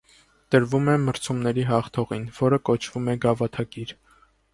Տրվում է մրցումների հաղթողին, որը կոչվում է գավաթակիր։